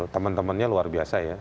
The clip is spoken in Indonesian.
teman temannya luar biasa ya